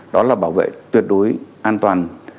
đó là bảo vệ tuyệt đối an toàn